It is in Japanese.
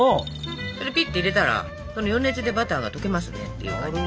ピッて入れたらその余熱でバターが溶けますねっていう感じです。